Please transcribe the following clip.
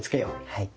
はい。